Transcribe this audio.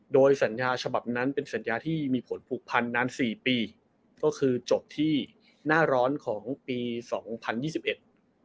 โดยสัญญาฉบับนั้นเป็นสัญญาที่มีผลผูกพันนานสี่ปีก็คือจบที่หน้าร้อนของปีสองพันยี่สิบเอ็ด